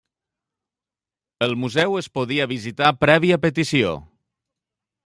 El museu es podia visitar prèvia petició.